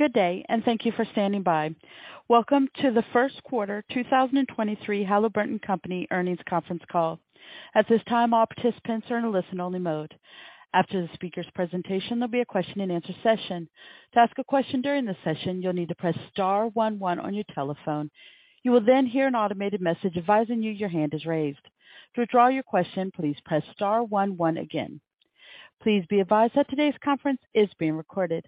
Good day, and thank you for standing by. Welcome to the first quarter 2023 Halliburton Company Earnings Conference Call. At this time, all participants are in a listen-only mode. After the speakers presentation, there'll be a question-and-answer session. To ask a question during this session, you'll need to press star one one on your telephone. You will then hear an automated message advising you your hand is raised. To withdraw your question, please press star one one again. Please be advised that today's conference is being recorded.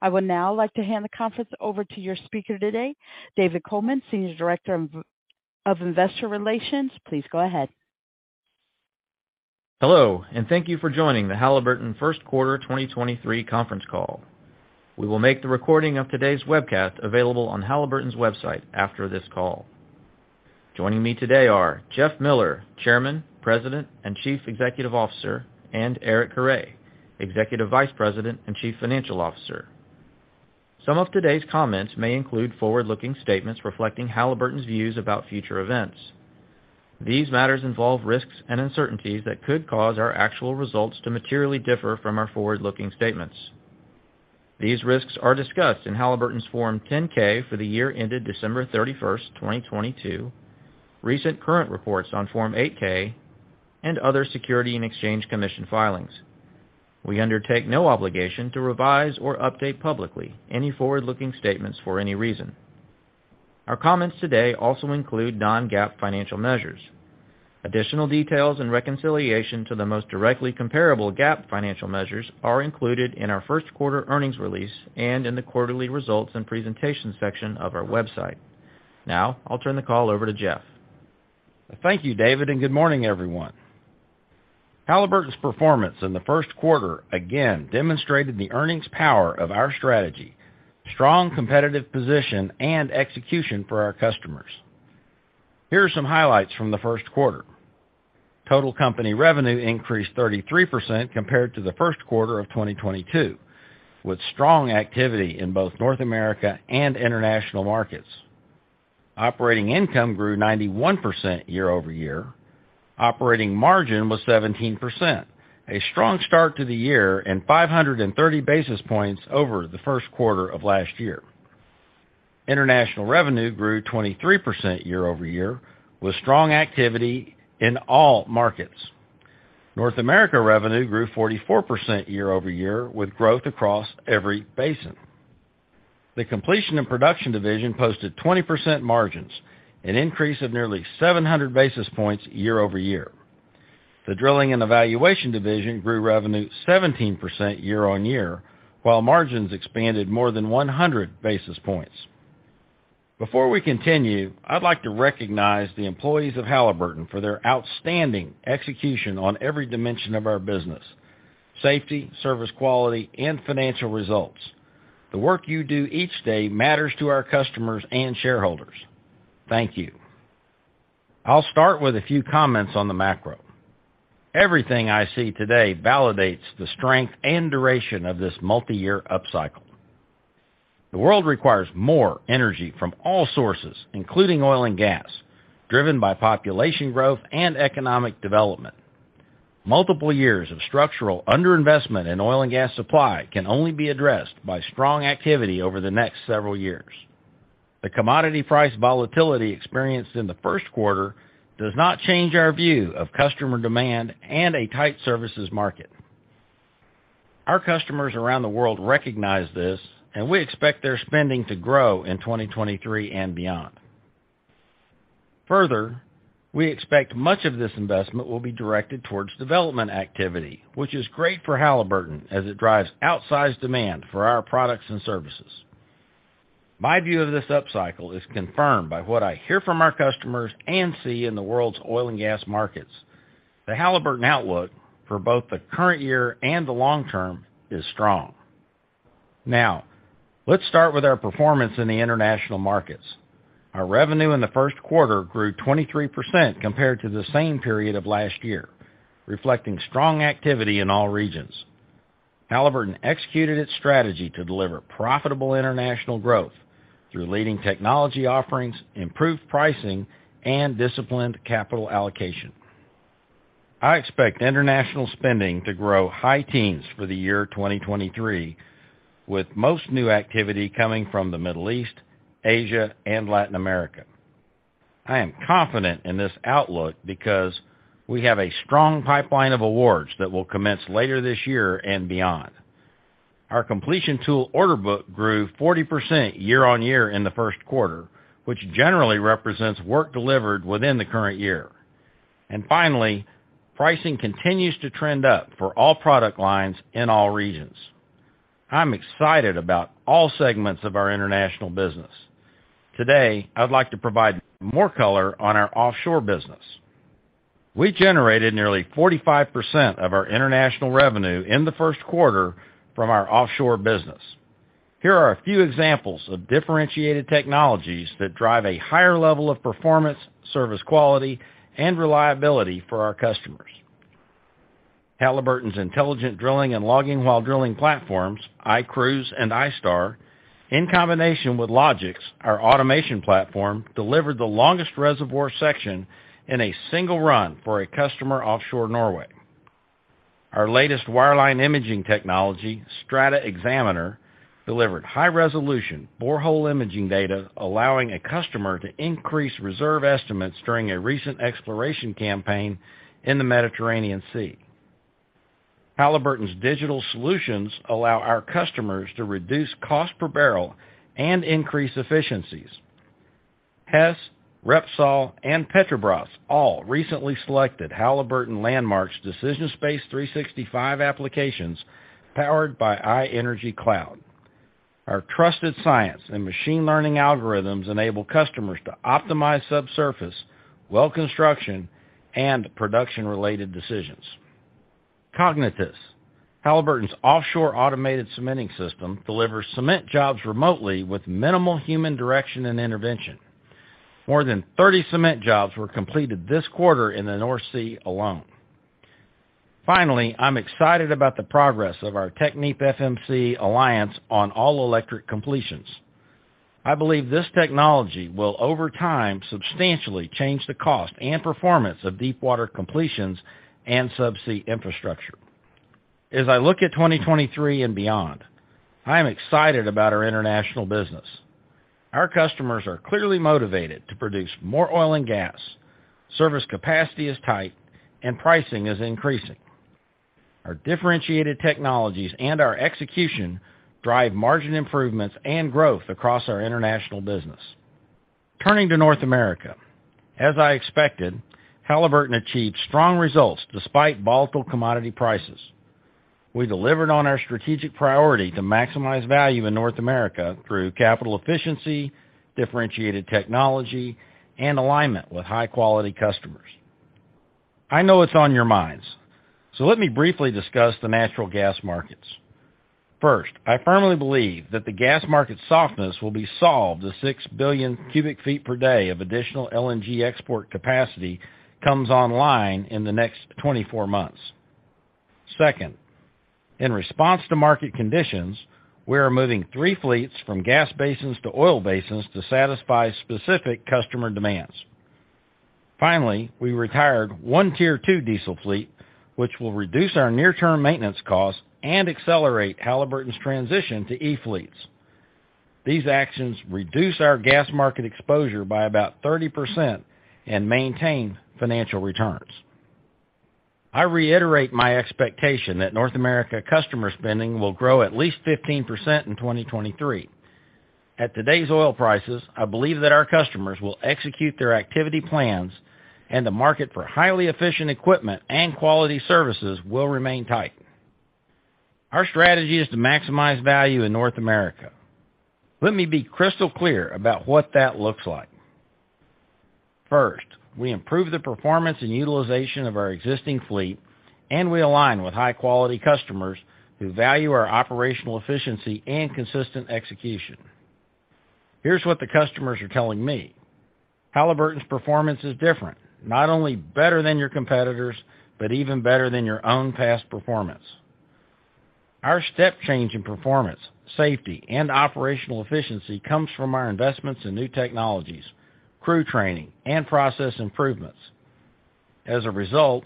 I would now like to hand the conference over to your speaker today, David Coleman, Senior Director of Investor Relations. Please go ahead. Hello, and thank you for joining the Halliburton first quarter 2023 conference call. We will make the recording of today's webcast available on Halliburton's website after this call. Joining me today are Jeff Miller, Chairman, President, and Chief Executive Officer, and Eric Carre, Executive Vice President and Chief Financial Officer. Some of today's comments may include forward-looking statements reflecting Halliburton's views about future events. These matters involve risks and uncertainties that could cause our actual results to materially differ from our forward-looking statements. These risks are discussed in Halliburton's Form 10-K for the year ended December 31st, 2022, recent current reports on Form 8-K, and other Securities and Exchange Commission filings. We undertake no obligation to revise or update publicly any forward-looking statements for any reason. Our comments today also include non-GAAP financial measures. Additional details and reconciliation to the most directly comparable GAAP financial measures are included in our first quarter earnings release and in the quarterly results and presentation section of our website. Now I'll turn the call over to Jeff. Thank you, David. Good morning, everyone. Halliburton's performance in the first quarter again demonstrated the earnings power of our strategy, strong competitive position and execution for our customers. Here are some highlights from the first quarter. Total company revenue increased 33% compared to the first quarter of 2022, with strong activity in both North America and international markets. Operating income grew 91% year-over-year. Operating margin was 17%, a strong start to the year and 530 basis points over the first quarter of last year. International revenue grew 23% year-over-year, with strong activity in all markets. North America revenue grew 44% year-over-year, with growth across every basin. The Completion and Production division posted 20% margins, an increase of nearly 700 basis points year-over-year. The Drilling and Evaluation division grew revenue 17% year-on-year, while margins expanded more than 100 basis points. Before we continue, I'd like to recognize the employees of Halliburton for their outstanding execution on every dimension of our business: safety, service quality, and financial results. The work you do each day matters to our customers and shareholders. Thank you. I'll start with a few comments on the macro. Everything I see today validates the strength and duration of this multiyear upcycle. The world requires more energy from all sources, including oil and gas, driven by population growth and economic development. Multiple years of structural underinvestment in oil and gas supply can only be addressed by strong activity over the next several years. The commodity price volatility experienced in the first quarter does not change our view of customer demand and a tight services market. Our customers around the world recognize this, and we expect their spending to grow in 2023 and beyond. Further, we expect much of this investment will be directed towards development activity, which is great for Halliburton as it drives outsized demand for our products and services. My view of this upcycle is confirmed by what I hear from our customers and see in the world's oil and gas markets. The Halliburton outlook for both the current year and the long term is strong. Now, let's start with our performance in the international markets. Our revenue in the first quarter grew 23% compared to the same period of last year, reflecting strong activity in all regions. Halliburton executed its strategy to deliver profitable international growth through leading technology offerings, improved pricing, and disciplined capital allocation. I expect international spending to grow high teens for the year 2023, with most new activity coming from the Middle East, Asia, and Latin America. I am confident in this outlook because we have a strong pipeline of awards that will commence later this year and beyond. Our completion tool order book grew 40% year-on-year in the first quarter, which generally represents work delivered within the current year. Finally, pricing continues to trend up for all product lines in all regions. I'm excited about all segments of our international business. Today, I'd like to provide more color on our offshore business. We generated nearly 45% of our international revenue in the first quarter from our offshore business. Here are a few examples of differentiated technologies that drive a higher level of performance, service quality, and reliability for our customers. Halliburton's intelligent drilling and logging while drilling platforms, iCruise and iStar, in combination with LOGIX, our automation platform, delivered the longest reservoir section in a single run for a customer offshore Norway. Our latest wireline imaging technology, StrataXaminer, delivered high-resolution borehole imaging data, allowing a customer to increase reserve estimates during a recent exploration campaign in the Mediterranean Sea. Halliburton's digital solutions allow our customers to reduce cost per barrel and increase efficiencies. Hess, Repsol, and Petrobras all recently selected Halliburton Landmark's DecisionSpace 365 applications powered by iEnergy Cloud. Our trusted science and machine learning algorithms enable customers to optimize subsurface, well construction, and production-related decisions. Cognitus, Halliburton's offshore automated cementing system, delivers cement jobs remotely with minimal human direction and intervention. More than 30 cement jobs were completed this quarter in the North Sea alone. Finally, I'm excited about the progress of our TechnipFMC alliance on all-electric completions. I believe this technology will, over time, substantially change the cost and performance of deepwater completions and subsea infrastructure. As I look at 2023 and beyond, I am excited about our international business. Our customers are clearly motivated to produce more oil and gas. Service capacity is tight and pricing is increasing. Our differentiated technologies and our execution drive margin improvements and growth across our international business. Turning to North America, as I expected, Halliburton achieved strong results despite volatile commodity prices. We delivered on our strategic priority to maximize value in North America through capital efficiency, differentiated technology, and alignment with high-quality customers. I know it's on your minds, so let me briefly discuss the natural gas markets. First, I firmly believe that the gas market softness will be solved as six billion cubic feet per day of additional LNG export capacity comes online in the next 24 months. Second, in response to market conditions, we are moving three fleets from gas basins to oil basins to satisfy specific customer demands. Finally, we retired one Tier Two diesel fleet, which will reduce our near-term maintenance costs and accelerate Halliburton's transition to e-fleets. These actions reduce our gas market exposure by about 30% and maintain financial returns. I reiterate my expectation that North America customer spending will grow at least 15% in 2023. At today's oil prices, I believe that our customers will execute their activity plans and the market for highly efficient equipment and quality services will remain tight. Our strategy is to maximize value in North America. Let me be crystal clear about what that looks like. First, we improve the performance and utilization of our existing fleet. We align with high-quality customers who value our operational efficiency and consistent execution. Here's what the customers are telling me. Halliburton's performance is different, not only better than your competitors, but even better than your own past performance. Our step change in performance, safety, and operational efficiency comes from our investments in new technologies, crew training, and process improvements. As a result,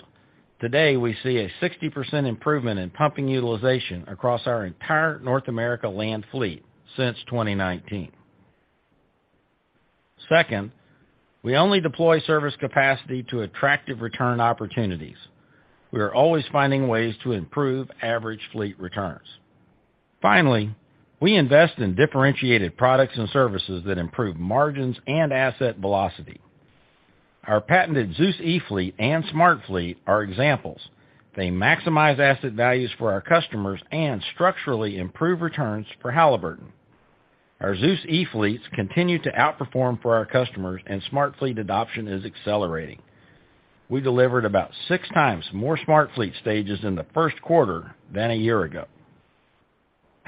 today we see a 60% improvement in pumping utilization across our entire North America land fleet since 2019. Second, we only deploy service capacity to attractive return opportunities. We are always finding ways to improve average fleet returns. Finally, we invest in differentiated products and services that improve margins and asset velocity. Our patented ZEUS E fleet and SmartFleet are examples. They maximize asset values for our customers and structurally improve returns for Halliburton. Our ZEUS e-fleets continue to outperform for our customers, and SmartFleet adoption is accelerating. We delivered about six times more SmartFleet stages in the first quarter than a year ago.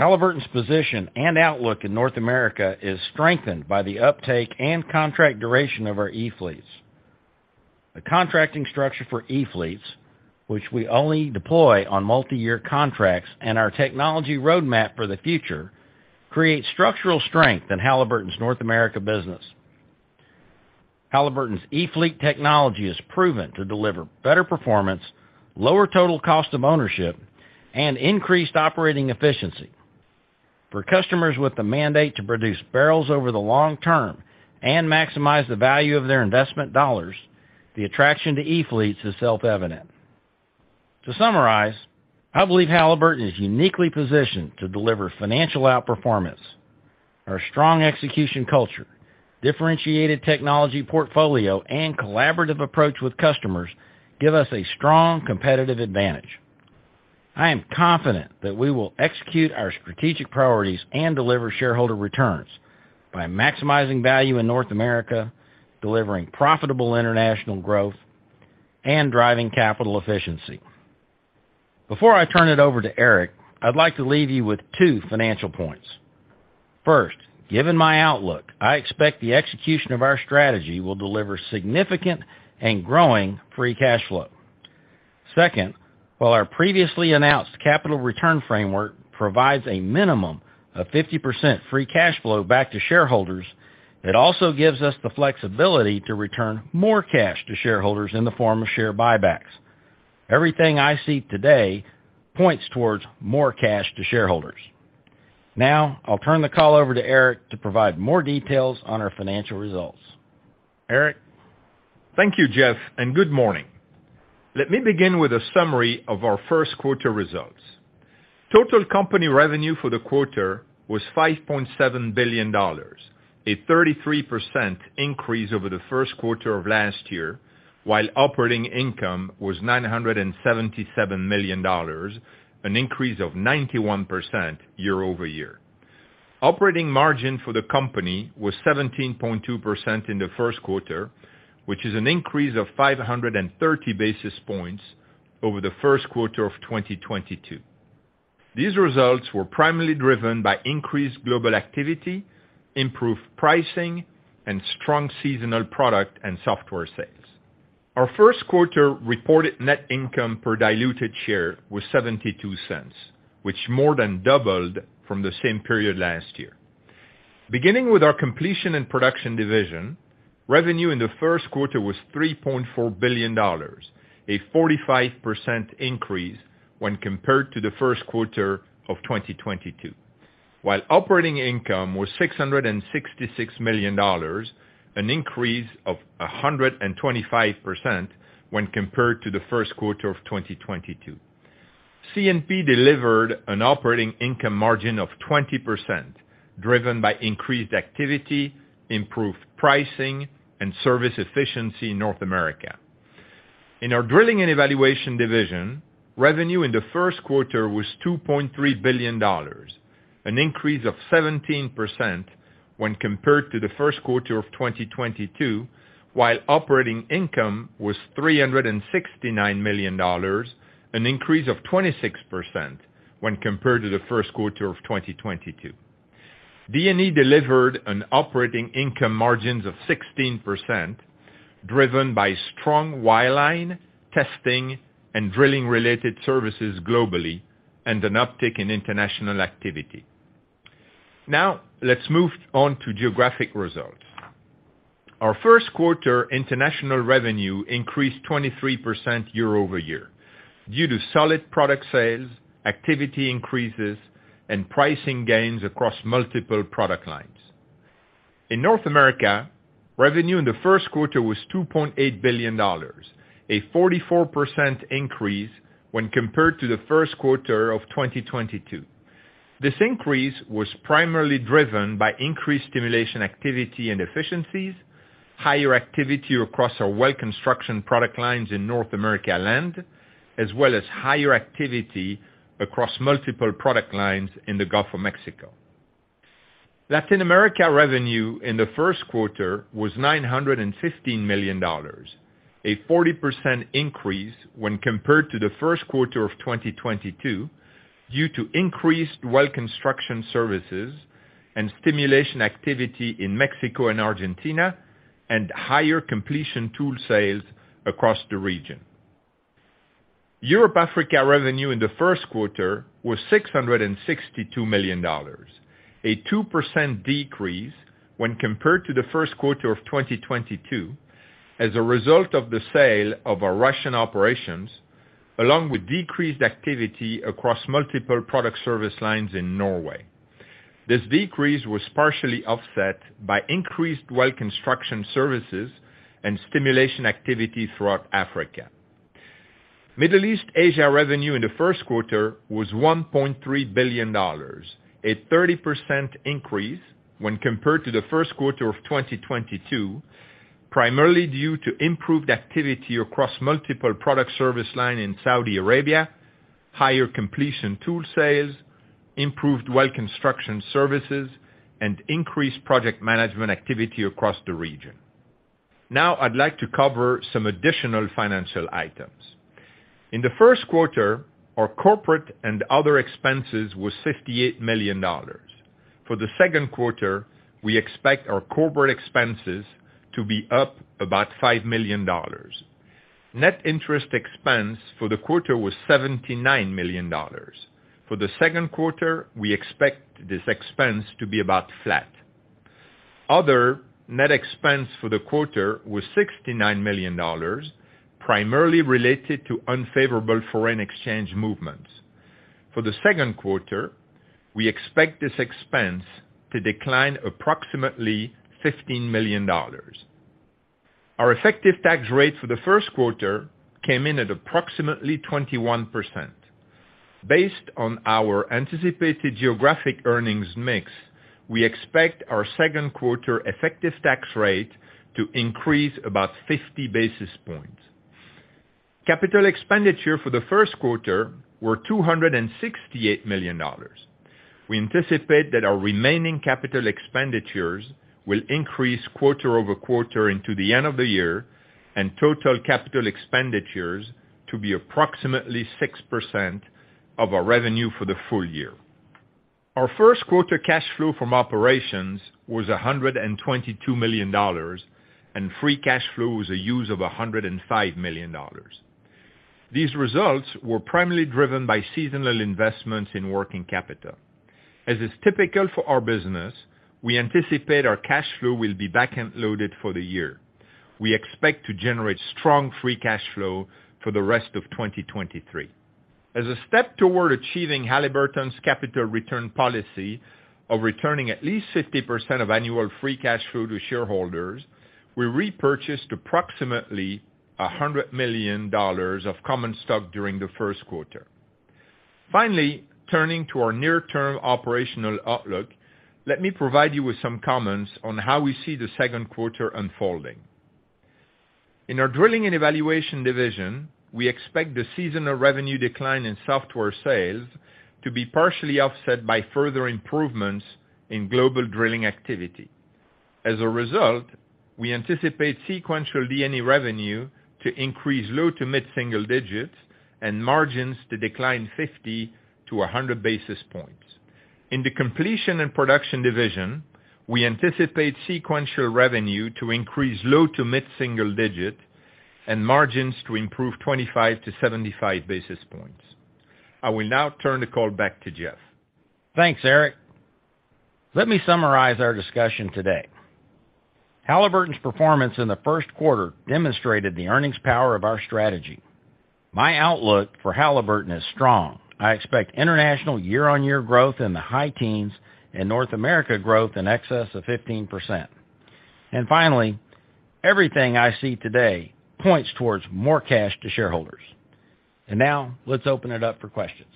Halliburton's position and outlook in North America is strengthened by the uptake and contract duration of our e-fleets. The contracting structure for e-fleets, which we only deploy on multiyear contracts, and our technology roadmap for the future creates structural strength in Halliburton's North America business. Halliburton's e-fleet technology is proven to deliver better performance, lower total cost of ownership, and increased operating efficiency. For customers with the mandate to produce barrels over the long term and maximize the value of their investment dollars, the attraction to e-fleets is self-evident. To summarize, I believe Halliburton is uniquely positioned to deliver financial outperformance. Our strong execution culture, differentiated technology portfolio, and collaborative approach with customers give us a strong competitive advantage. I am confident that we will execute our strategic priorities and deliver shareholder returns by maximizing value in North America, delivering profitable international growth, and driving capital efficiency. Before I turn it over to Eric, I'd like to leave you with two financial points. First, given my outlook, I expect the execution of our strategy will deliver significant and growing free cash flow. Second, while our previously announced capital return framework provides a minimum of 50% free cash flow back to shareholders, it also gives us the flexibility to return more cash to shareholders in the form of share buybacks. Everything I see today points towards more cash to shareholders. Now, I'll turn the call over to Eric to provide more details on our financial results. Eric? Thank you, Jeff, and good morning. Let me begin with a summary of our first quarter results. Total company revenue for the quarter was $5.7 billion, a 33% increase over the first quarter of last year, while operating income was $977 million, an increase of 91% year-over-year. Operating margin for the company was 17.2% in the first quarter, which is an increase of 530 basis points over the first quarter of 2022. These results were primarily driven by increased global activity, improved pricing, and strong seasonal product and software sales. Our first quarter reported net income per diluted share was $0.72, which more than doubled from the same period last year. Beginning with our Completion and Production division, revenue in the first quarter was $3.4 billion, a 45% increase when compared to the first quarter of 2022, while operating income was $666 million, an increase of 125% when compared to the first quarter of 2022. CNP delivered an operating income margin of 20%, driven by increased activity, improved pricing, and service efficiency in North America. In our Drilling and Evaluation division, revenue in the first quarter was $2.3 billion, an increase of 17% when compared to the first quarter of 2022, while operating income was $369 million, an increase of 26% when compared to the first quarter of 2022. D&E delivered an operating income margins of 16%, driven by strong wireline testing and drilling related services globally and an uptick in international activity. Let's move on to geographic results. Our first quarter international revenue increased 23% year-over-year due to solid product sales, activity increases, and pricing gains across multiple product lines. In North America, revenue in the first quarter was $2.8 billion, a 44% increase when compared to the first quarter of 2022. This increase was primarily driven by increased stimulation activity and efficiencies, higher activity across our well construction product lines in North America Land, as well as higher activity across multiple product lines in the Gulf of Mexico. Latin America revenue in the first quarter was $915 million, a 40% increase when compared to the first quarter of 2022 due to increased well construction services and stimulation activity in Mexico and Argentina and higher completion tool sales across the region. Europe-Africa revenue in the first quarter was $662 million, a 2% decrease when compared to the first quarter of 2022 as a result of the sale of our Russian operations, along with decreased activity across multiple product service lines in Norway. This decrease was partially offset by increased well construction services and stimulation activity throughout Africa. Middle East-Asia revenue in the first quarter was $1.3 billion, a 30% increase when compared to the first quarter of 2022, primarily due to improved activity across multiple product service line in Saudi Arabia, higher completion tool sales, improved well construction services, and increased project management activity across the region. I'd like to cover some additional financial items. In the first quarter, our corporate and other expenses was $58 million. For the second quarter, we expect our corporate expenses to be up about $5 million. Net interest expense for the quarter was $79 million. For the second quarter, we expect this expense to be about flat. Other net expense for the quarter was $69 million, primarily related to unfavorable foreign exchange movements. For the second quarter, we expect this expense to decline approximately $15 million. Our effective tax rate for the first quarter came in at approximately 21%. Based on our anticipated geographic earnings mix, we expect our second quarter effective tax rate to increase about 50 basis points. CapEx for the first quarter were $268 million. We anticipate that our remaining CapEx will increase quarter-over-quarter into the end of the year and total CapEx to be approximately 6% of our revenue for the full year. Our first quarter cash flow from operations was $122 million. Free cash flow was a use of $105 million. These results were primarily driven by seasonal investments in working capital. As is typical for our business, we anticipate our cash flow will be back-end loaded for the year. We expect to generate strong free cash flow for the rest of 2023. As a step toward achieving Halliburton's capital return policy of returning at least 50% of annual free cash flow to shareholders, we repurchased approximately $100 million of common stock during the first quarter. Finally, turning to our near-term operational outlook, let me provide you with some comments on how we see the second quarter unfolding. In our Drilling and Evaluation division, we expect the seasonal revenue decline in software sales to be partially offset by further improvements in global drilling activity. As a result, we anticipate sequential D&E revenue to increase low to mid-single digits and margins to decline 50 to 100 basis points. In the Completion and Production division, we anticipate sequential revenue to increase low to mid-single digit and margins to improve 25 to 75 basis points. I will now turn the call back to Jeff. Thanks, Eric. Let me summarize our discussion today. Halliburton's performance in the first quarter demonstrated the earnings power of our strategy. My outlook for Halliburton is strong. I expect international year-on-year growth in the high-teens and North America growth in excess of 15%. Finally, everything I see today points towards more cash to shareholders. Now let's open it up for questions.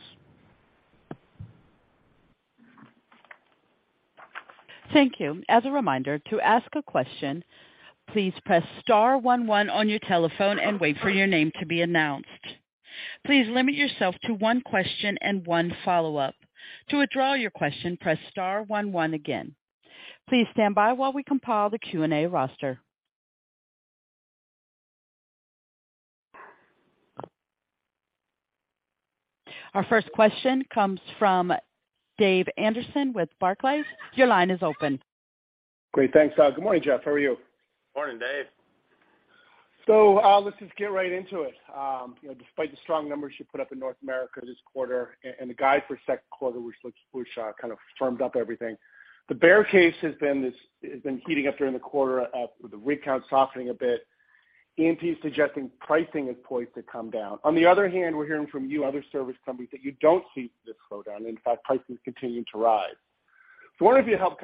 Thank you. As a reminder, to ask a question, please press star one one on your telephone and wait for your name to be announced. Please limit yourself to one question and one follow-up. To withdraw your question, press star one one again. Please stand by while we compile the Q&A roster. Our first question comes from David Anderson with Barclays. Your line is open. Great. Thanks. good morning, Jeff. How are you? Morning, Dave. Let's just get right into it. You know, despite the strong numbers you put up in North America this quarter and the guide for second quarter, which kind of firmed up everything, the bear case has been heating up during the quarter with the rig count softening a bit. E&P is suggesting pricing is poised to come down. On the other hand, we're hearing from you, other service companies, that you don't see this slowdown. In fact, prices continue to rise. I wonder if you help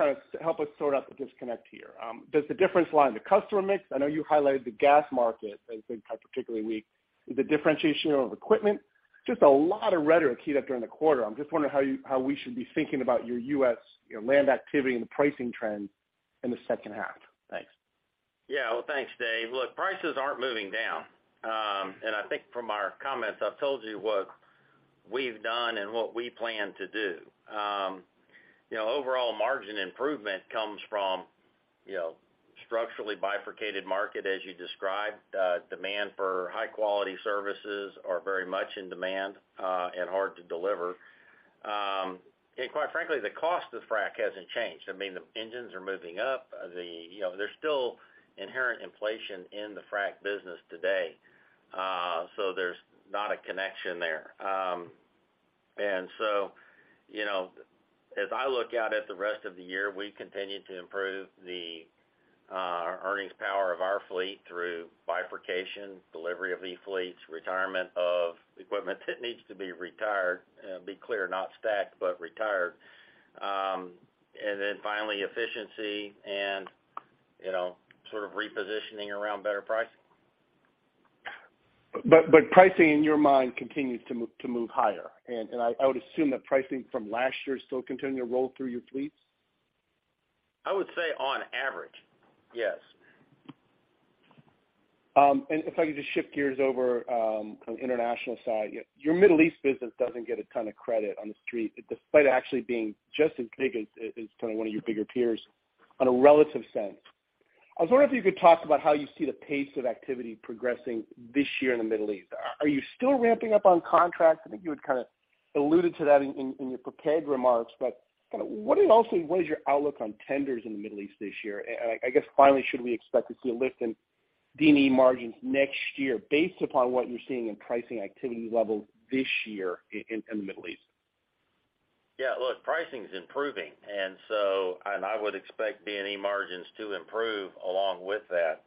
us sort out the disconnect here. Does the difference lie in the customer mix? I know you highlighted the gas market as being particularly weak. Is it differentiation of equipment? Just a lot of rhetoric heated up during the quarter. I'm just wondering how you, how we should be thinking about your U.S., you know, land activity and the pricing trends in the second half? Thanks. Well, thanks, Dave. Look, prices aren't moving down. I think from our comments, I've told you what we've done and what we plan to do. You know, overall margin improvement comes from, you know, structurally bifurcated market, as you described. Demand for high-quality services are very much in demand, and hard to deliver. Quite frankly, the cost of frac hasn't changed. I mean, the engines are moving up. The, you know, there's still inherent inflation in the frac business today. There's not a connection there. You know, as I look out at the rest of the year, we continue to improve the earnings power of our fleet through bifurcation, delivery of E-fleets, retirement of equipment that needs to be retired. Be clear, not stacked, but retired. Finally efficiency and, you know, sort of repositioning around better pricing. Pricing in your mind continues to move higher. I would assume that pricing from last year is still continuing to roll through your fleets? I would say on average, yes. If I could just shift gears over on the international side. Your Middle East business doesn't get a ton of credit on the street, despite actually being just as big as kind of one of your bigger peers on a relative sense. I was wondering if you could talk about how you see the pace of activity progressing this year in the Middle East. Are you still ramping up on contracts? I think you had kind of alluded to that in your prepared remarks. Kinda what is also, what is your outlook on tenders in the Middle East this year? And I guess finally, should we expect to see a lift in D&E margins next year based upon what you're seeing in pricing activity levels this year in the Middle East? Yeah. Look, pricing is improving. I would expect D&E margins to improve along with that.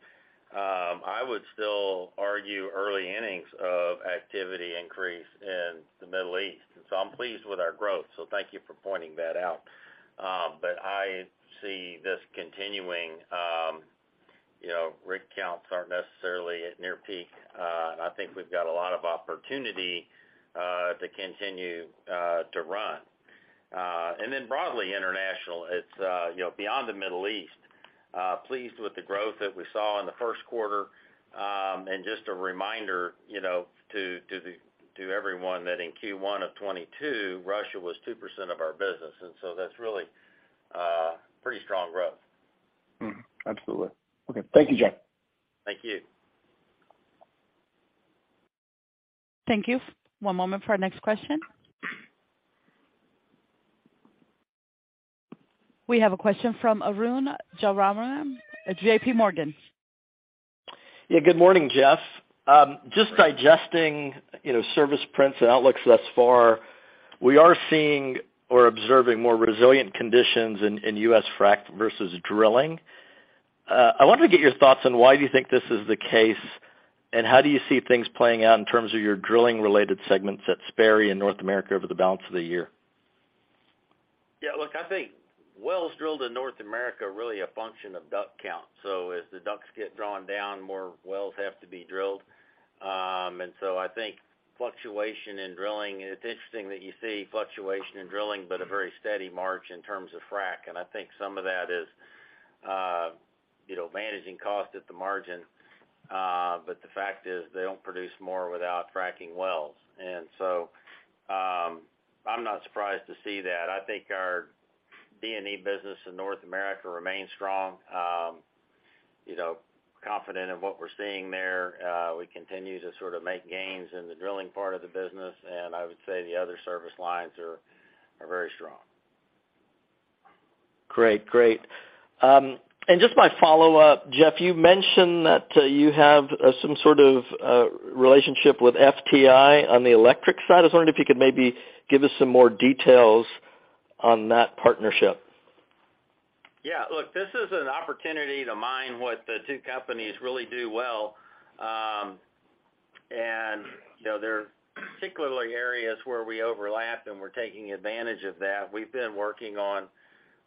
I would still argue early innings of activity increase in the Middle East. I'm pleased with our growth, thank you for pointing that out. I see this continuing, you know, rig counts aren't necessarily at near peak. I think we've got a lot of opportunity to continue to run. Broadly international, it's, you know, beyond the Middle East, pleased with the growth that we saw in the first quarter. Just a reminder, you know, to everyone that in Q1 of 2022, Russia was 2% of our business, that's really pretty strong growth. Absolutely. Okay. Thank you, Jeff. Thank you. Thank you. One moment for our next question. We have a question from Arun Jayaram at JPMorgan. Yeah. Good morning, Jeff. Just digesting, you know, service prints and outlooks thus far, we are seeing or observing more resilient conditions in U.S. frac versus drilling. I wanted to get your thoughts on why you think this is the case, and how do you see things playing out in terms of your drilling-related segments at Sperry in North America over the balance of the year? Look, I think wells drilled in North America are really a function of DUC count. As the DUCs get drawn down, more wells have to be drilled. I think fluctuation in drilling, it's interesting that you see fluctuation in drilling, but a very steady march in terms of frac. I think some of that is, you know, managing cost at the margin. But the fact is they don't produce more without fracking wells. I'm not surprised to see that. I think our D&E business in North America remains strong. You know, confident in what we're seeing there. We continue to sort of make gains in the drilling part of the business, I would say the other service lines are very strong. Great. Great. Just my follow-up, Jeff, you mentioned that you have some sort of relationship with FTI on the electric side. I was wondering if you could maybe give us some more details on that partnership. Yeah. Look, this is an opportunity to mine what the two companies really do well. You know, there are particularly areas where we overlap, and we're taking advantage of that. We've been working on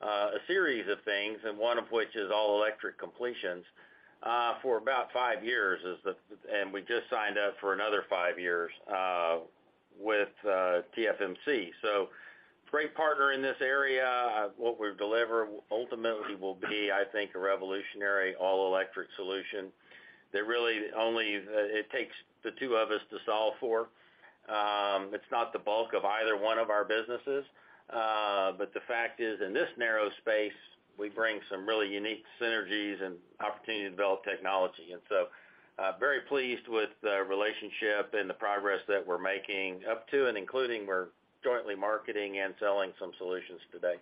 a series of things, and one of which is all-electric completions, for about five years. We just signed up for another five years with TFMC. Great partner in this area. What we deliver ultimately will be, I think, a revolutionary all-electric solution that really only it takes the two of us to solve for. It's not the bulk of either one of our businesses. The fact is, in this narrow space, we bring some really unique synergies and opportunity to develop technology. Very pleased with the relationship and the progress that we're making up to and including we're jointly marketing and selling some solutions today.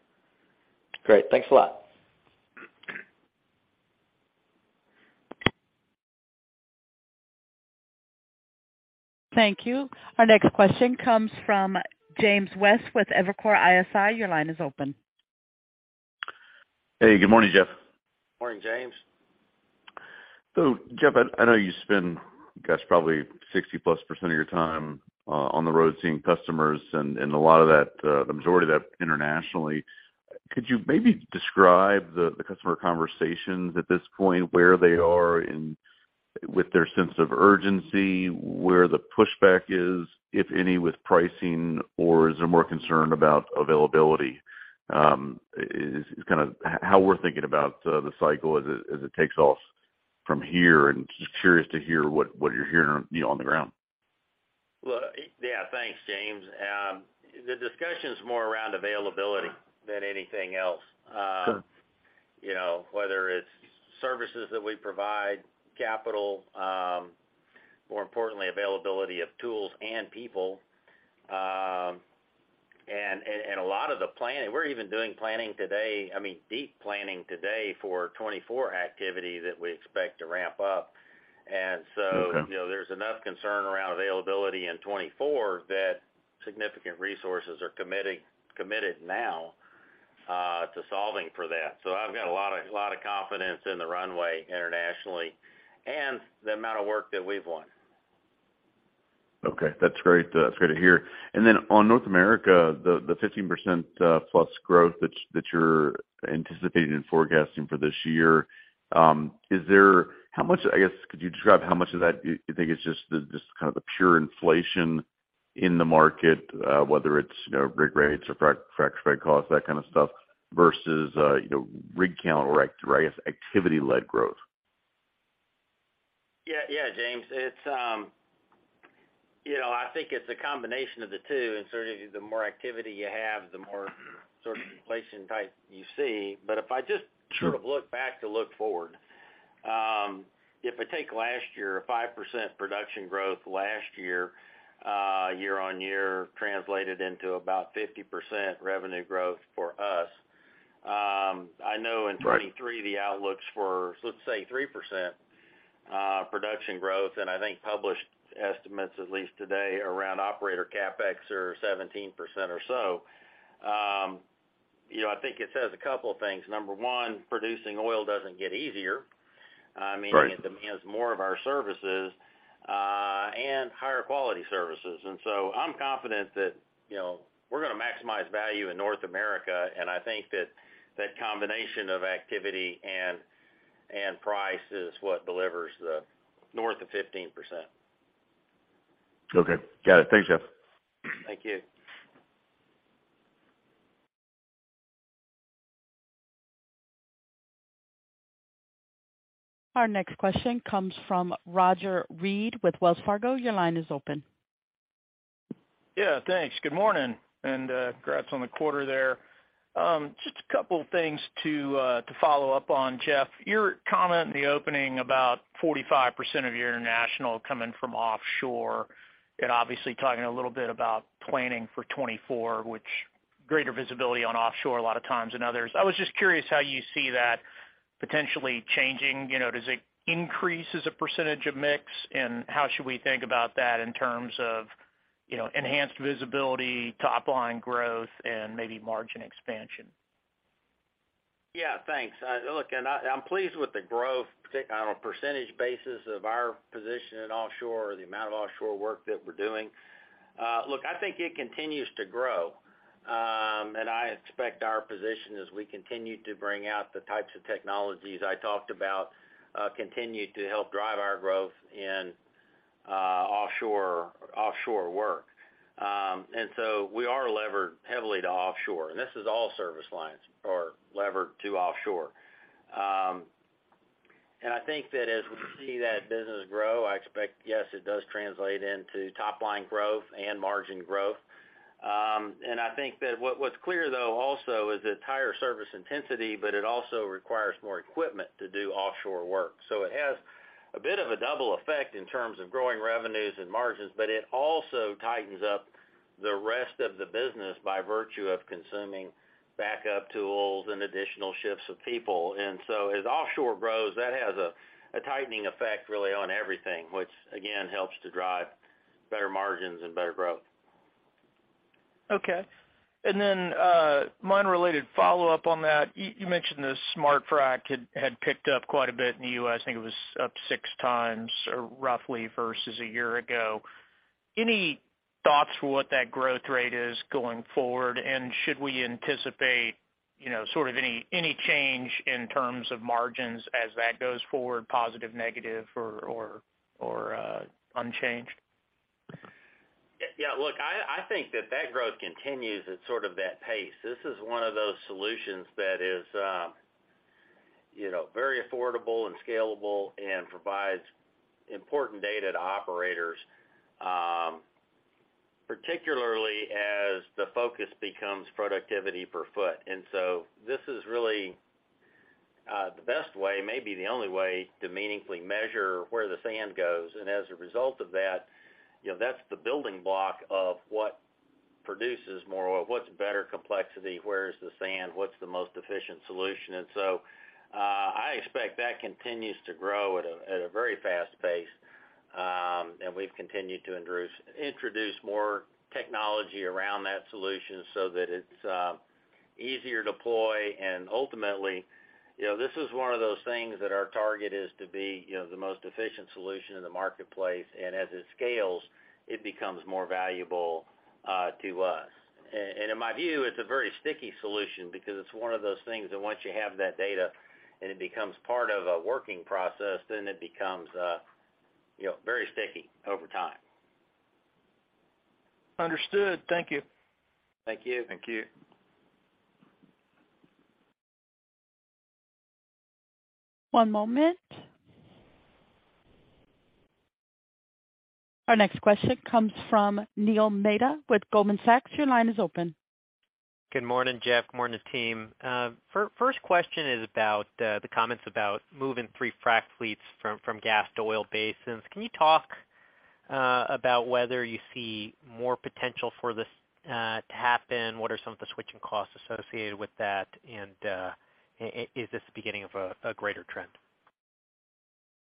Great. Thanks a lot. Thank you. Our next question comes from James West with Evercore ISI. Your line is open. Hey, good morning, Jeff. Morning, James. Jeff, I know you spend, gosh, probably 60% plus of your time on the road seeing customers and a lot of that, the majority of that internationally. Could you maybe describe the customer conversations at this point, with their sense of urgency, where the pushback is, if any, with pricing, or is there more concern about availability? Is kind of how we're thinking about the cycle as it takes off from here. Just curious to hear what you're hearing, you know, on the ground. Well, yeah, thanks, James. The discussion's more around availability than anything else. Sure. You know, whether it's services that we provide, capital, more importantly, availability of tools and people. A lot of the planning. We're even doing planning today, I mean, deep planning today for 2024 activity that we expect to ramp up. Okay. You know, there's enough concern around availability in 2024 that significant resources are committed now to solving for that. I've got a lot of confidence in the runway internationally and the amount of work that we've won. Okay. That's great. That's great to hear. On North America, the 15% plus growth that you're anticipating and forecasting for this year, how much, I guess, could you describe how much of that do you think is just kind of the pure inflation in the market, whether it's, you know, rig rates or frac spread costs, that kind of stuff, versus, you know, rig count or I guess, activity-led growth? Yeah, James. It's, you know, I think it's a combination of the two. Certainly, the more activity you have, the more sort of inflation type you see but if I just Sure sort of look back to look forward, if I take last year, a 5% production growth last year-on-year translated into about 50% revenue growth for us. I know- Right 2023, the outlook's for, let's say, 3% production growth. I think published estimates, at least today, around operator CapEx are 17% or so. You know, I think it says a couple of things. Number one, producing oil doesn't get easier. Right. I mean, it demands more of our services, and higher quality services. I'm confident that, you know, we're gonna maximize value in North America. I think that that combination of activity and price is what delivers the north of 15%. Okay. Got it. Thanks, Jeff. Thank you. Our next question comes from Roger Read with Wells Fargo. Your line is open. Yeah, thanks. Good morning, and congrats on the quarter there. Just a couple things to follow up on, Jeff. Your comment in the opening about 45% of your international coming from offshore and obviously talking a little bit about planning for 2024. Greater visibility on offshore a lot of times than others. I was just curious how you see that potentially changing. You know, does it increase as a percentage of mix? How should we think about that in terms of, you know, enhanced visibility, top line growth and maybe margin expansion? Yeah, thanks. Look, I'm pleased with the growth on a percentage basis of our position in offshore or the amount of offshore work that we're doing. Look, I think it continues to grow. I expect our position as we continue to bring out the types of technologies I talked about, continue to help drive our growth in offshore work. We are levered heavily to offshore, and this is all service lines are levered to offshore. I think that as we see that business grow, I expect, yes, it does translate into top line growth and margin growth. I think that what's clear though also is it's higher service intensity, but it also requires more equipment to do offshore work. It has a bit of a double effect in terms of growing revenues and margins, but it also tightens up the rest of the business by virtue of consuming backup tools and additional shifts of people. As offshore grows, that has a tightening effect really on everything, which again, helps to drive better margins and better growth. Okay. One related follow-up on that. You mentioned the smart frac had picked up quite a bit in the US. I think it was up six times or roughly versus a year ago. Any thoughts for what that growth rate is going forward? Should we anticipate, you know, sort of any change in terms of margins as that goes forward, positive, negative, or unchanged? Look, I think that that growth continues at sort of that pace. This is one of those solutions that is, you know, very affordable and scalable and provides important data to operators, particularly as the focus becomes productivity per foot. This is really the best way, maybe the only way to meaningfully measure where the sand goes. As a result of that, you know, that's the building block of what produces more oil, what's better complexity, where is the sand, what's the most efficient solution. I expect that continues to grow at a very fast pace. We've continued to introduce more technology around that solution so that it's easier to deploy. Ultimately, you know, this is one of those things that our target is to be, you know, the most efficient solution in the marketplace. As it scales, it becomes more valuable to us. In my view, it's a very sticky solution because it's one of those things that once you have that data and it becomes part of a working process, then it becomes, you know, very sticky over time. Understood. Thank you. Thank you. Thank you. One moment. Our next question comes from Neil Mehta with Goldman Sachs. Your line is open. Good morning, Jeff. Good morning, team. First question is about the comments about moving three frac fleets from gas to oil basins. Can you talk about whether you see more potential for this to happen? What are some of the switching costs associated with that? Is this the beginning of a greater trend?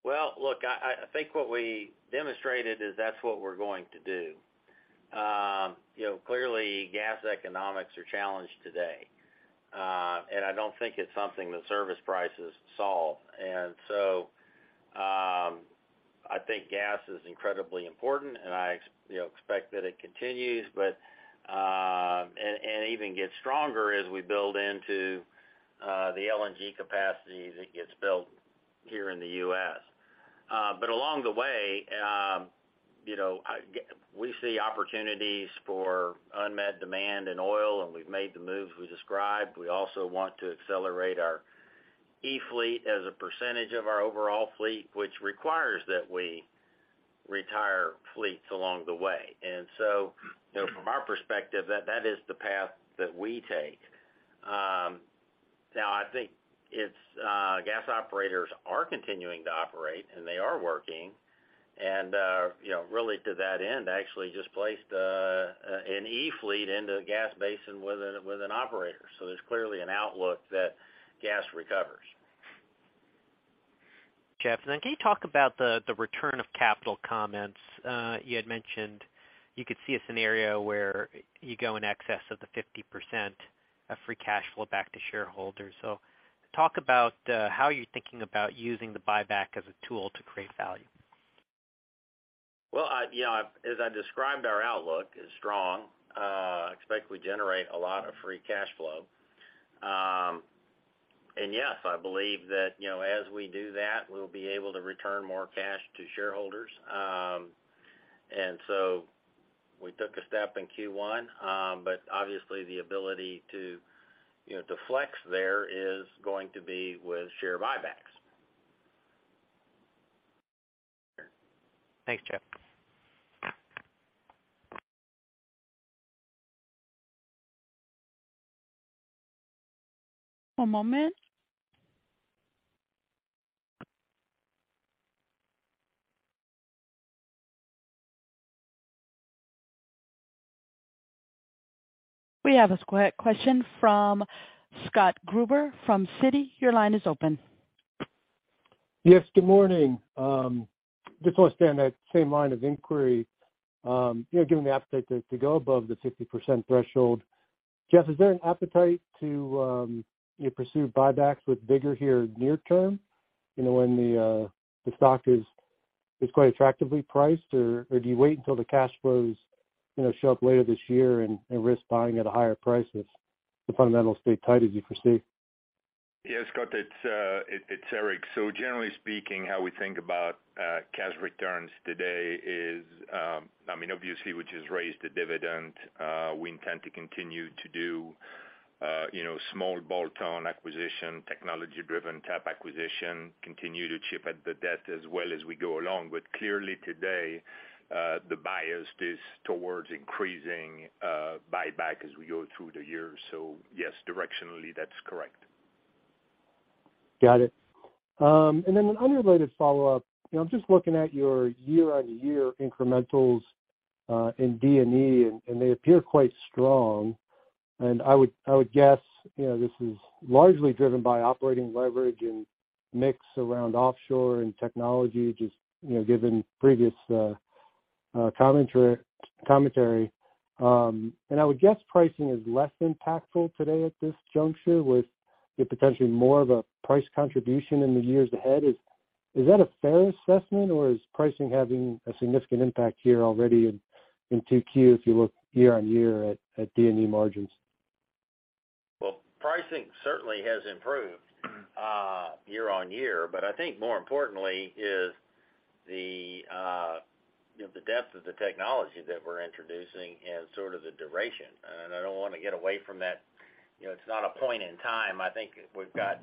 Well, look, I think what we demonstrated is that's what we're going to do. You know, clearly gas economics are challenged today, I don't think it's something that service prices solve. I think gas is incredibly important, and I you know, expect that it continues, but even gets stronger as we build into the LNG capacity that gets built here in the U.S. Along the way, you know, we see opportunities for unmet demand in oil, and we've made the moves we described. We also want to accelerate our e-fleet as a percentage of our overall fleet, which requires that we retire fleets along the way. You know, from our perspective, that is the path that we take. Now I think it's gas operators are continuing to operate, and they are working. You know, really to that end, actually just placed an e-fleet into a gas basin with an operator. There's clearly an outlook that gas recovers. Jeff, then can you talk about the return of capital comments? You had mentioned you could see a scenario where you go in excess of the 50% of free cash flow back to shareholders. Talk about how you're thinking about using the buyback as a tool to create value. Well, I, you know, as I described, our outlook is strong. Expect we generate a lot of free cash flow. Yes, I believe that, you know, as we do that, we'll be able to return more cash to shareholders. We took a step in Q1. Obviously the ability to, you know, to flex there is going to be with share buybacks. Sure. Thanks, Jeff. One moment. We have a question from Scott Gruber from Citi. Your line is open. Yes, good morning. Just want to stay on that same line of inquiry. You know, given the appetite to go above the 50% threshold, Jeff, is there an appetite to, you know, pursue buybacks with vigor here near term, you know, when the stock is quite attractively priced? Or do you wait until the cash flows, you know, show up later this year and risk buying at a higher price if the fundamentals stay tight as you foresee? Yeah, Scott, it's Eric. Generally speaking, how we think about cash returns today is, I mean, obviously we just raised the dividend. We intend to continue to do, you know, small bolt-on acquisition, technology-driven type acquisition, continue to chip at the debt as well as we go along. Clearly today, the bias is towards increasing buyback as we go through the year. Yes, directionally that's correct. Got it. An unrelated follow-up. You know, I'm just looking at your year-over-year incrementals in D&E, and they appear quite strong. I would guess, you know, this is largely driven by operating leverage and mix around offshore and technology, just, you know, given previous commentary. I would guess pricing is less impactful today at this juncture with the potentially more of a price contribution in the years ahead. Is that a fair assessment, or is pricing having a significant impact here already in 2Q if you look year-over-year at D&E margins? Well, pricing certainly has improved year-on-year, I think more importantly is the, you know, the depth of the technology that we're introducing and sort of the duration. I don't wanna get away from that. You know, it's not a point in time. I think we've got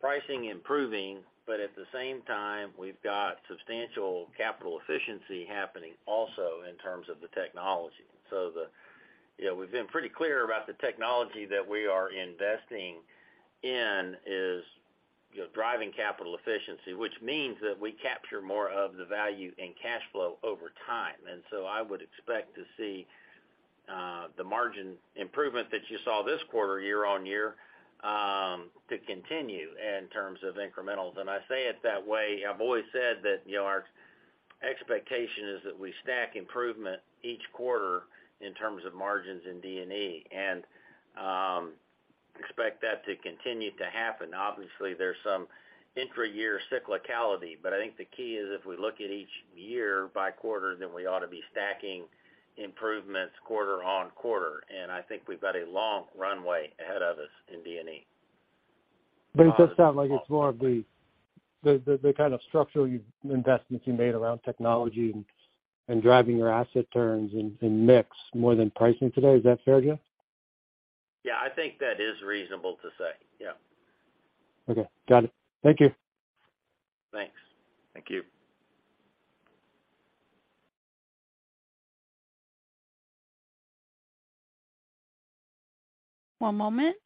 pricing improving, at the same time, we've got substantial capital efficiency happening also in terms of the technology. You know, we've been pretty clear about the technology that we are investing in is, you know, driving capital efficiency, which means that we capture more of the value in cash flow over time. I would expect to see the margin improvement that you saw this quarter year-on-year to continue in terms of incrementals. I say it that way. I've always said that, you know, our expectation is that we stack improvement each quarter in terms of margins in D&E and expect that to continue to happen. Obviously, there's some intra-year cyclicality. I think the key is if we look at each year by quarter, then we ought to be stacking improvements quarter-on-quarter. I think we've got a long runway ahead of us in D&E. It does sound like it's more of the kind of structural investments you made around technology and driving your asset turns and mix more than pricing today. Is that fair, Jeff? Yeah. I think that is reasonable to say. Yeah. Okay. Got it. Thank you. Thanks. Thank you. One moment.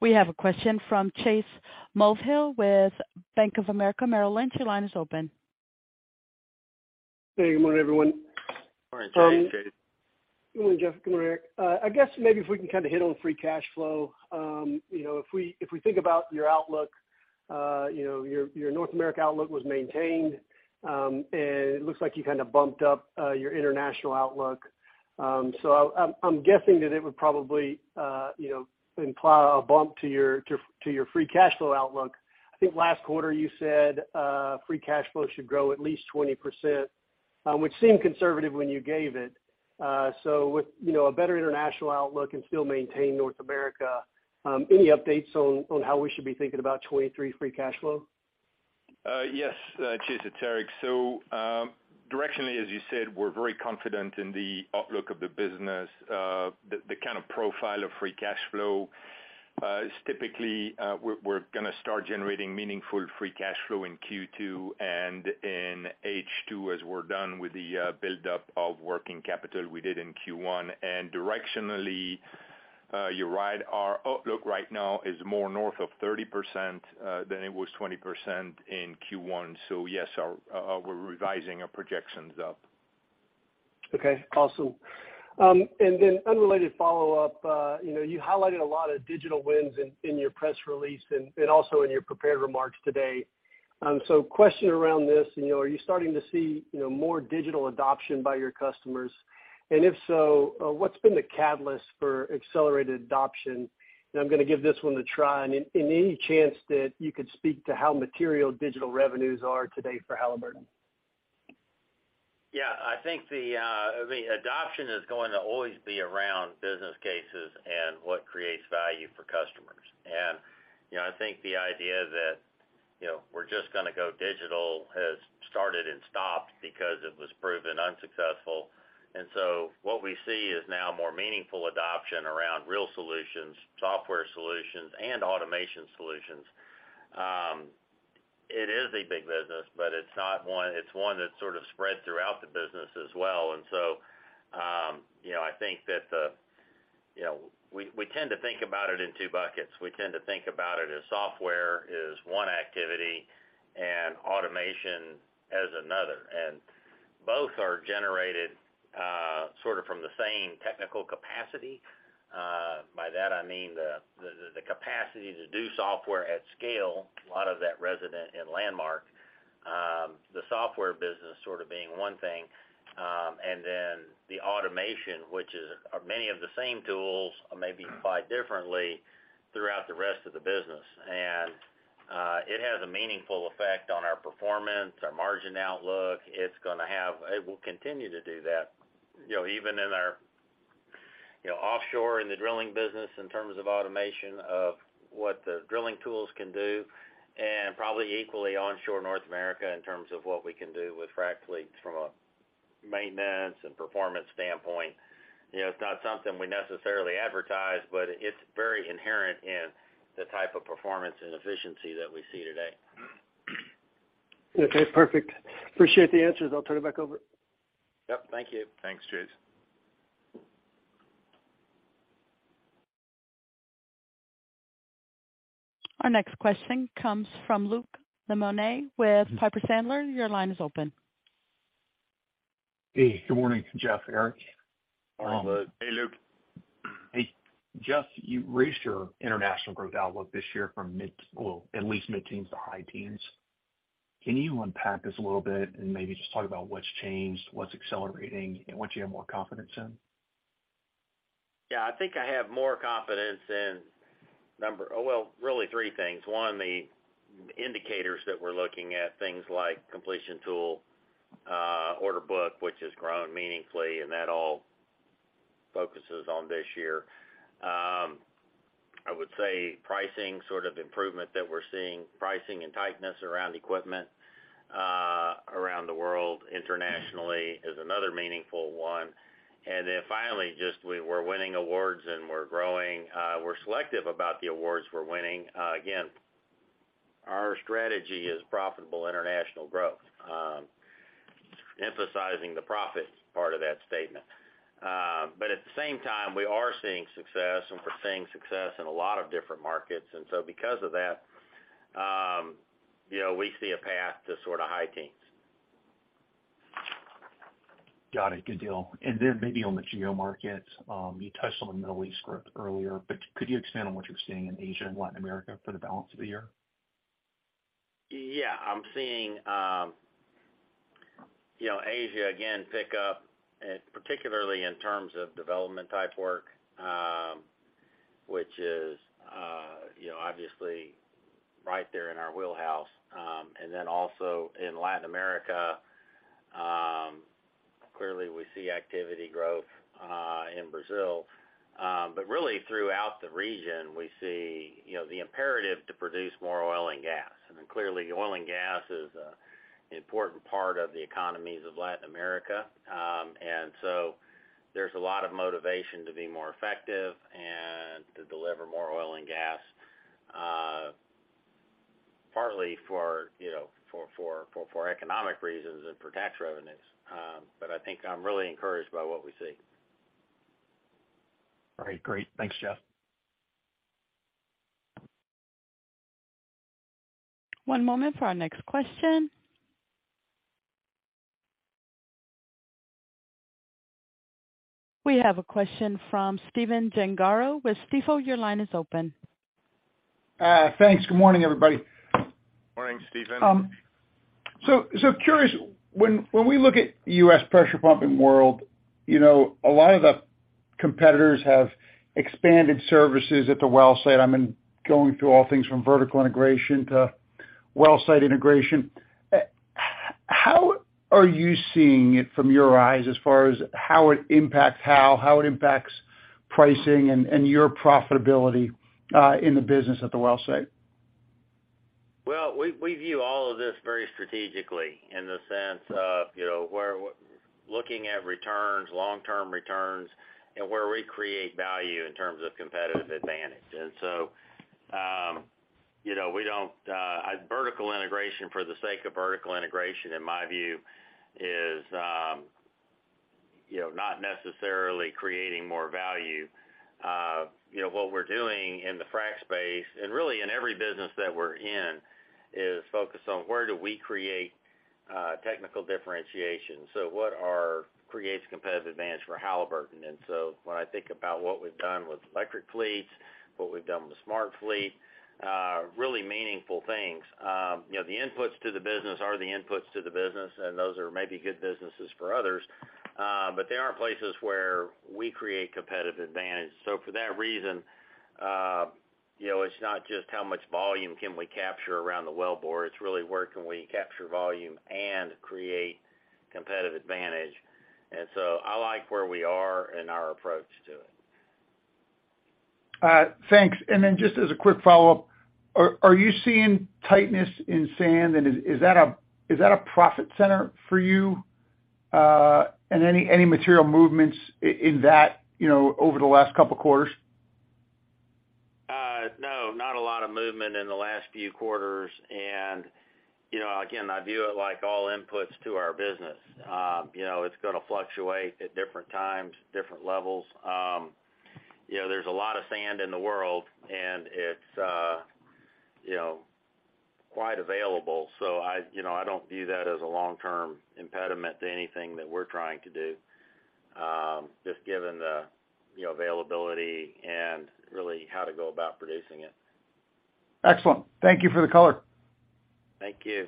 We have a question from Chase Mulvehill with Bank of America Merrill Lynch. Your line is open. Hey, good morning, everyone. Morning, Chase. Good morning, Jeff. Good morning, Eric. I guess maybe if we can kind of hit on free cash flow. You know, if we think about your outlook, you know, your North America outlook was maintained, and it looks like you kind of bumped up your international outlook. I'm guessing that it would probably, you know, imply a bump to your free cash flow outlook. I think last quarter you said free cash flow should grow at least 20%, which seemed conservative when you gave it. With, you know, a better international outlook and still maintain North America, any updates on how we should be thinking about 2023 free cash flow? Yes. Chase, it's Eric. Directionally, as you said, we're very confident in the outlook of the business. The kind of profile of free cash flow is typically, we're gonna start generating meaningful free cash flow in Q2 and in H2 as we're done with the buildup of working capital we did in Q1. Directionally, you're right, our outlook right now is more north of 30% than it was 20% in Q1. Yes, our, we're revising our projections up. Okay. Awesome. Unrelated follow-up. You know, you highlighted a lot of digital wins in your press release and also in your prepared remarks today. Question around this, you know, are you starting to see, you know, more digital adoption by your customers? If so, what's been the catalyst for accelerated adoption? I'm gonna give this one to Troy. Any chance that you could speak to how material digital revenues are today for Halliburton? Yeah. I think the, I mean, adoption is going to always be around business cases and what creates value for customers. You know, I think the idea that, you know, we're just gonna go digital has started and stopped because it was proven unsuccessful. What we see is now more meaningful adoption around real solutions, software solutions, and automation solutions. It is a big business, but it's one that's sort of spread throughout the business as well. You know, I think that the You know, we tend to think about it in two buckets. We tend to think about it as software is one activity and automation as another. Both are generated, sort of from the same technical capacity. By that I mean the capacity to do software at scale, a lot of that resident in Landmark. The software business sort of being one thing, and then the automation, which is, are many of the same tools or maybe applied differently throughout the rest of the business. It has a meaningful effect on our performance, our margin outlook. It will continue to do that, you know, even in our, you know, offshore, in the drilling business in terms of automation of what the drilling tools can do, and probably equally onshore North America in terms of what we can do with frac fleets from a maintenance and performance standpoint. You know, it's not something we necessarily advertise, but it's very inherent in the type of performance and efficiency that we see today. Perfect. Appreciate the answers. I'll turn it back over. Yep, thank you. Thanks, Chase. Our next question comes from Luke Lemoine with Piper Sandler. Your line is open. Hey, good morning, Jeff, Eric. Good morning, Luke. Hey, Luke. Hey, Jeff, you raised your international growth outlook this year from well, at least mid-teens to high-teens. Can you unpack this a little bit and maybe just talk about what's changed, what's accelerating, and what you have more confidence in? Yeah. I think I have more confidence in number. Well, really three things. One, the indicators that we're looking at, things like completion tool, order book, which has grown meaningfully, and that all focuses on this year. I would say pricing sort of improvement that we're seeing, pricing and tightness around equipment around the world internationally is another meaningful one. Finally, just we're winning awards and we're growing. We're selective about the awards we're winning. Again, our strategy is profitable international growth, emphasizing the profit part of that statement. At the same time, we are seeing success, and we're seeing success in a lot of different markets. Because of that, you know, we see a path to sort of high-teens. Got it. Good deal. Then maybe on the geo market, you touched on the Middle East growth earlier. Could you expand on what you're seeing in Asia and Latin America for the balance of the year? Yeah. I'm seeing, you know, Asia again pick up, particularly in terms of development type work, which is, you know, obviously right there in our wheelhouse. Then also in Latin America, clearly we see activity growth in Brazil. Really throughout the region, we see, you know, the imperative to produce more oil and gas. I mean, clearly oil and gas is an important part of the economies of Latin America. So there's a lot of motivation to be more effective and to deliver more oil and gas, partly for, you know, for economic reasons and for tax revenues. I think I'm really encouraged by what we see. All right. Great. Thanks, Jeff. One moment for our next question. We have a question from Stephen Gengaro with Stifel. Your line is open. Thanks. Good morning, everybody. Morning, Stephen. Curious, when we look at the U.S. pressure pumping world, you know, a lot of the competitors have expanded services at the well site. I mean, going through all things from vertical integration to well site integration. How are you seeing it from your eyes as far as how it impacts Hal how it impacts pricing and your profitability in the business at the well site? Well, we view all of this very strategically in the sense of, you know, we're looking at returns, long-term returns, and where we create value in terms of competitive advantage. You know, we don't. Vertical integration for the sake of vertical integration, in my view, is, you know, not necessarily creating more value. You know, what we're doing in the frac space and really in every business that we're in, is focus on where do we create technical differentiation. What are creates competitive advantage for Halliburton? When I think about what we've done with electric fleets, what we've done with SmartFleet, really meaningful things. You know, the inputs to the business are the inputs to the business, and those are maybe good businesses for others. There are places where we create competitive advantage. For that reason, you know, it's not just how much volume can we capture around the wellbore, it's really where can we capture volume and create competitive advantage. I like where we are in our approach to it. Thanks. Then just as a quick follow-up, are you seeing tightness in sand? Is that a profit center for you? Any material movements in that, you know, over the last couple quarters? No, not a lot of movement in the last few quarters. You know, again, I view it like all inputs to our business. You know, it's gonna fluctuate at different times, different levels. You know, there's a lot of sand in the world, and it's, you know, quite available. I, you know, I don't view that as a long-term impediment to anything that we're trying to do, just given the, you know, availability and really how to go about producing it. Excellent. Thank you for the color. Thank you.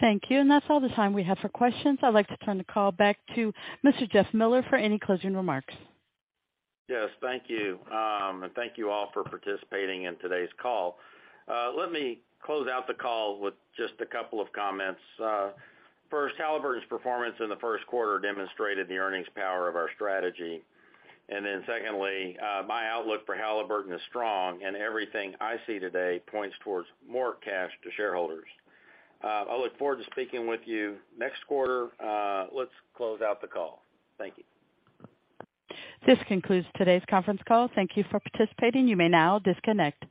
Thank you. That's all the time we have for questions. I'd like to turn the call back to Mr. Jeff Miller for any closing remarks. Yes, thank you. Thank you all for participating in today's call. Let me close out the call with just a couple of comments. First, Halliburton's performance in the first quarter demonstrated the earnings power of our strategy. Secondly, my outlook for Halliburton is strong, and everything I see today points towards more cash to shareholders. I look forward to speaking with you next quarter. Let's close out the call. Thank you. This concludes today's conference call. Thank you for participating. You may now disconnect.